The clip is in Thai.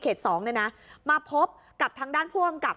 เขต๒เนี่ยนะมาพบกับทางด้านผู้บังกับ